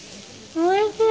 おいしい。